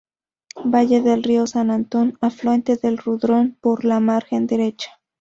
Valle del río "San Antón", afluente del Rudrón por la margen derecha.